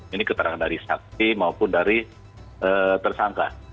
ini keterangan dari saksi maupun dari tersangka